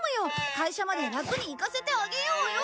会社までラクに行かせてあげようよ。